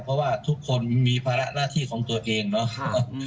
เพราะว่าทุกคนมีภาระหน้าที่ของตัวเองเนาะ